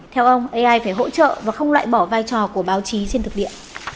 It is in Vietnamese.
theo ông ai phải hỗ trợ và không loại bỏ vai trò của báo chí trên thực địa